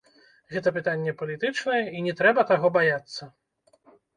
Гэта пытанне палітычнае, і не трэба таго баяцца.